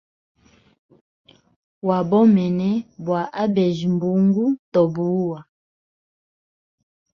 Wabomene bwa abeja mbungu to buwa.